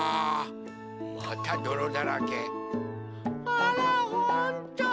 あらほんと。